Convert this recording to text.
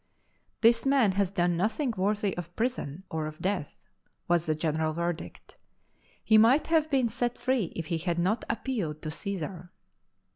"This man has done nothing worthy of prison or of death," was the general verdict; " he might have been set free if he had not appealed to C»sar."